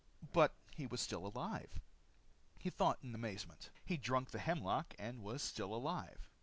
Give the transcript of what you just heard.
But he was still alive, he thought in amazement. He'd drunk the hemlock and was still alive.